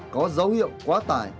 có dấu hiệu quá tải